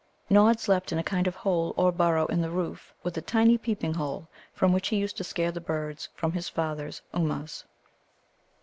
Nod slept in a kind of hole or burrow in the roof, with a tiny peeping hole, from which he used to scare the birds from his father's Ummuz.